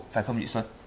phải không chị xuân